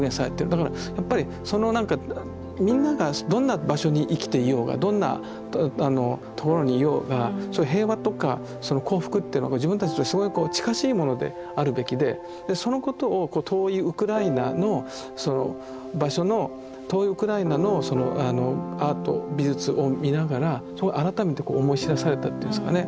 だからやっぱりその何かみんながどんな場所に生きていようがどんなところにいようが平和とかその幸福っていうのが自分たちとすごい近しいものであるべきでそのことを遠いウクライナのその場所の遠いウクライナのアート美術を見ながら改めて思い知らされたというんですかね。